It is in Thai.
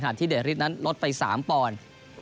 ขนาดที่เดดฤทธิ์นั้นลดไป๓ปอนด์